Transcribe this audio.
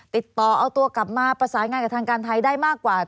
ติดต่อเอาตัวกลับมาประสานงานกับทางการไทยได้มากกว่า